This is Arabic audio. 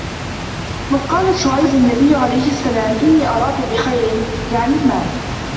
وَقَالَ شُعَيْبٌ النَّبِيُّ عَلَيْهِ السَّلَامُ إنِّي أَرَاكُمْ بِخَيْرٍ يَعْنِي الْمَالَ